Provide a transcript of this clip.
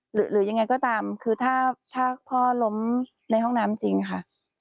หรือยังไงก็ตามคือถ้าชากพ่อล้มในห้องน้ำจริงค่ะ